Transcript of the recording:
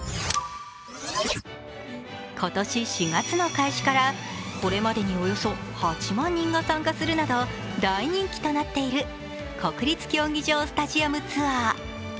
今年４月の開始から、これまでにおよそ８万人が参加するなど大人気となっている国立競技場スタジアムツアー。